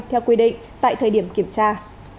theo quy định tại thời điểm kiểm tra